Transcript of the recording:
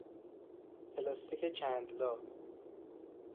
پلاستیک چند لا